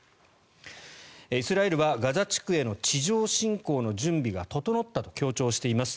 イスラエルはガザ地区への地上侵攻の準備が整ったと強調しています。